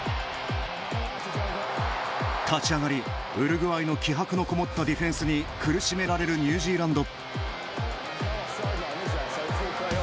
立ち上がり、ウルグアイの気迫のこもったディフェンスに苦しめられるニュージーランド。